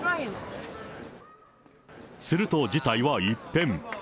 すると事態は一変。